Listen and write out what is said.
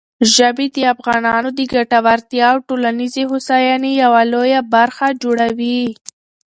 ژبې د افغانانو د ګټورتیا او ټولنیزې هوساینې یوه لویه برخه جوړوي.